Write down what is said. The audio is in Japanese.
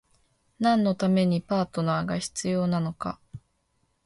何のためにパートナーが必要なのか？